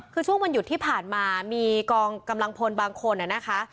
คือช่วงวันหยุดที่ผ่านมามีกองกำลังพลบางคนนะคะ